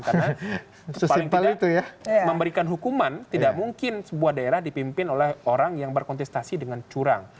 karena paling tidak memberikan hukuman tidak mungkin sebuah daerah dipimpin oleh orang yang berkontestasi dengan curang